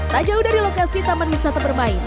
tak jauh dari lokasi taman wisata bermain